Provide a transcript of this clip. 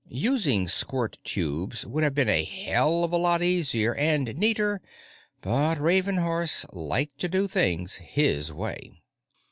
Using squirt tubes would have been a hell of a lot easier and neater, but Ravenhurst liked to do things his way.